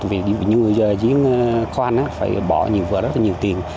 vì những người diễn khoan phải bỏ nhiều vợ rất là nhiều tiền